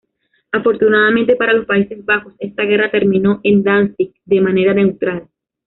Afortunadamente para los Países Bajos, esta guerra terminó en Danzig de manera neutral.